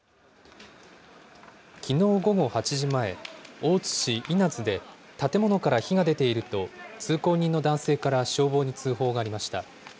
きのう午後８時前、大津市稲津で、建物から火が出ていると、通行人の男性から消防に通報がありました。